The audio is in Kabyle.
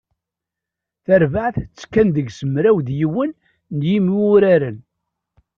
Tarbaɛt, tekkin deg-s mraw d yiwen n yimwuraren.